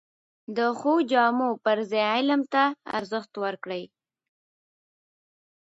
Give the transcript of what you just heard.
د ښو جامو پر ځای علم ته ارزښت ورکړئ!